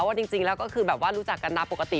ว่าจริงแล้วก็คือแบบว่ารู้จักกันนะปกติ